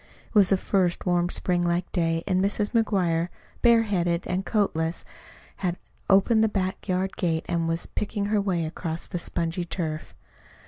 It was the first warm spring like day, and Mrs. McGuire, bareheaded and coatless, had opened the back yard gate and was picking her way across the spongy turf.